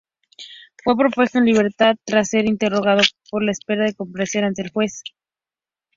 Fue puesto en libertad tras ser interrogado, en espera de comparecer ante el Juez.